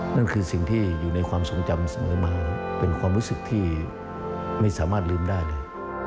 นั่นคือสิ่งที่อยู่ในความทรงจำเสมอมาเป็นความรู้สึกที่ไม่สามารถลืมได้เลย